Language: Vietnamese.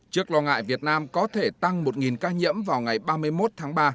trước lo ngại việt nam có thể tăng một ca nhiễm vào ngày ba mươi một tháng ba